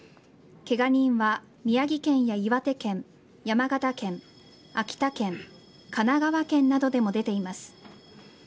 けが人は宮城県や岩手県山形県、秋田県神奈川県などでも出ています。